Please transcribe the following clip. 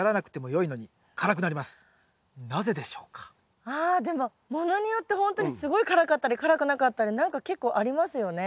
更にあでもものによってほんとにすごい辛かったり辛くなかったり何か結構ありますよね。